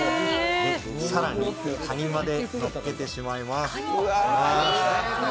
更にかにまでのっけてしまいます。